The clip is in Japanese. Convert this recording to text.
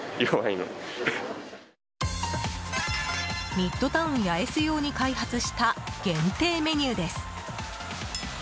ミッドタウン八重洲用に開発した限定メニューです。